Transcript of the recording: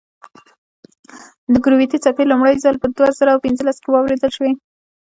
د ګرویتي څپې لومړی ځل په دوه زره پنځلس کې واورېدل شوې.